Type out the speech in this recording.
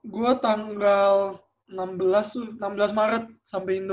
gue tanggal enam belas maret sampai